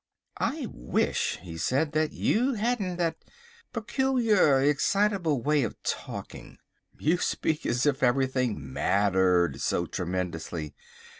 "I wish," he said, "that you hadn't that peculiar, excitable way of talking; you speak as if everything mattered so tremendously.